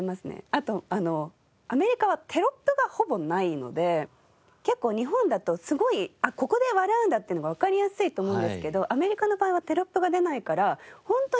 あとアメリカはテロップがほぼないので結構日本だとすごいここで笑うんだっていうのがわかりやすいと思うんですけどアメリカの場合はテロップが出ないからホントに笑うところがみんな違って